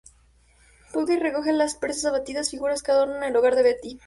Pudgy recoge las presas abatidas, figuras que adornan el hogar de Betty.